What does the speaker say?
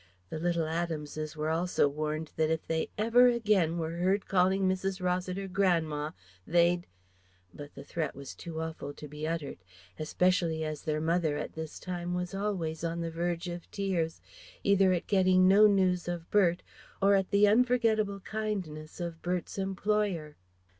(The little Adamses were also warned that if they ever again were heard calling Mrs. Rossiter "Gran'ma," they'd but the threat was too awful to be uttered, especially as their mother at this time was always on the verge of tears, either at getting no news of Bert or at the unforgettable kindness of Bert's employer.)